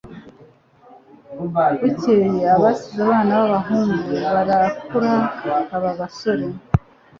Bukeye abasize abana b'abahungu barakura baba abasore